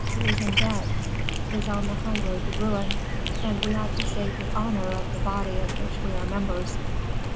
He is in debt is on the high road to ruin; and we ought to save the honor of the body of which we are members."